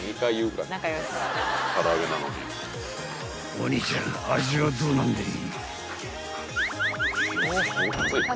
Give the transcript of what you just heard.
［お兄ちゃん味はどうなんでい］